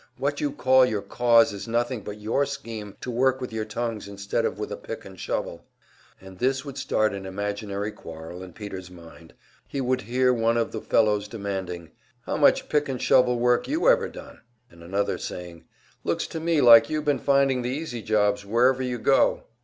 What you call your `cause' is nothing but your scheme to work with your tongues instead of with a pick and a shovel." And this would start an imaginary quarrel in Peter's mind. He would hear one of the fellows demanding, "How much pick and shovel work you ever done?" Another saying, "Looks to me like you been finding the easy jobs wherever you go!"